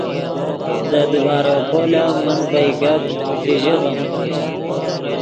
دے دیبارو پول ام من ڤئے گپ چے ژیغیم